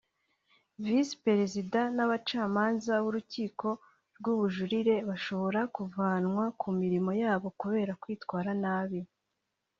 Visi Perezida n’abacamanza b’Urukiko rw’Ubujurire bashobora kuvanwa ku mirimo yabo kubera kwitwara nabi